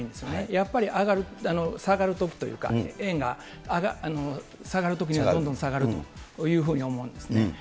やっぱり上がる、下がるときというか、円が下がるときにはどんどん下がると思うんですね。